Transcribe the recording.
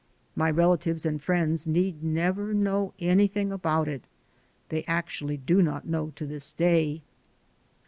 My rela tives and friends need never know anything about it. They actually do not know to this day.